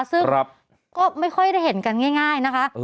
ซึ่งก็ไม่ค่อยได้เห็นกันง่ายนะคะ